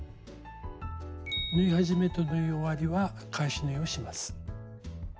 縫い始めと縫い終わりは返し縫いをします。